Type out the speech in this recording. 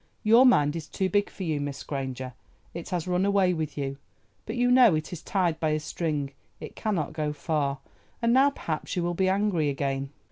Your mind is too big for you, Miss Granger: it has run away with you, but you know it is tied by a string—it cannot go far. And now perhaps you will be angry again."